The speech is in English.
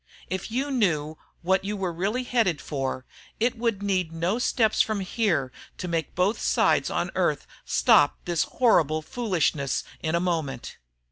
If you knew what you were really headed for, it would need no steps from here to make both sides on Earth stop this horrible foolishness in a moment.